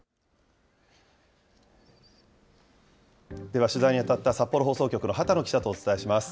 では取材に当たった札幌放送局の波多野記者とお伝えします。